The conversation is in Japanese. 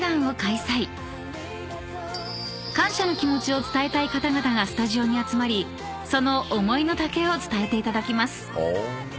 ［感謝の気持ちを伝えたい方々がスタジオに集まりその思いの丈を伝えていただきます］